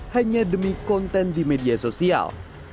hanya demi konten di media sosial